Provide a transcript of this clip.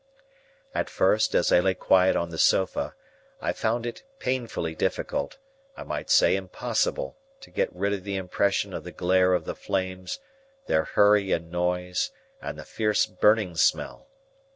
At first, as I lay quiet on the sofa, I found it painfully difficult, I might say impossible, to get rid of the impression of the glare of the flames, their hurry and noise, and the fierce burning smell.